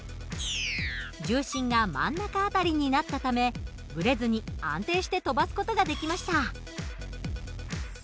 重心が真ん中辺りになったためブレずに安定して飛ばす事ができました。